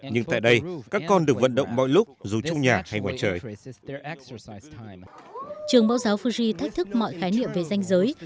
nhưng tại đây các con được vận động mọi lúc dù trong nhà hay ngoài trời